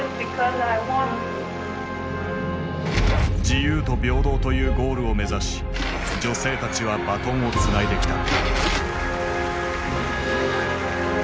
自由と平等というゴールを目指し女性たちはバトンをつないできた。